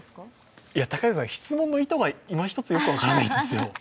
質問の意図が今ひとつよく分からないんですよ。